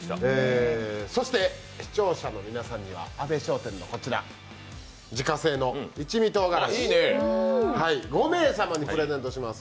そして、視聴者の皆さんには阿部商店の自家製の一味唐辛子を５名様にプレゼントします。